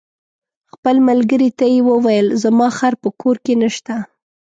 خپل ملګري ته یې وویل: زما خر په کور کې نشته.